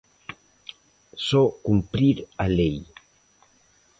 Só cumprir a lei.